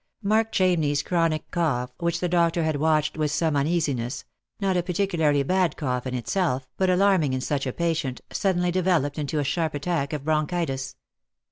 Mark Ohamney's chronic cough, which the doctor had watched with some uneasiness — not a particularly bad cough in itself, but alarming in such a patient — suddenly developed into a sharp attack of bronchitis.